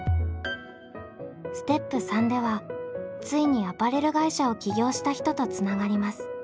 ステップ３ではついにアパレル会社を起業した人とつながります。